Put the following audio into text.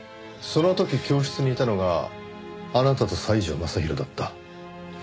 その時教室にいたのがあなたと西條雅弘だった。